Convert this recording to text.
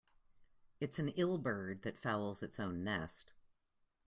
It's an ill bird that fouls its own nest.